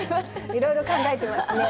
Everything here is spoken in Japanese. いろいろ考えてますね。